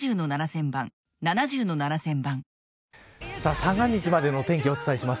三が日までの天気をお伝えします。